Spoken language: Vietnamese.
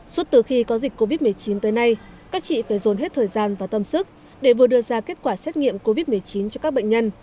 suốt từ khi có dịch covid một mươi chín tới nay các chị phải dồn hết thời gian và tâm sức để vừa đưa ra kết quả xét nghiệm covid một mươi chín cho các bệnh nhân